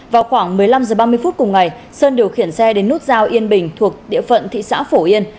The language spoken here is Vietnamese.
vào khoảng một mươi năm h ba mươi phút cùng ngày sơn điều khiển xe đến nút giao yên bình thuộc địa phận thị xã phổ yên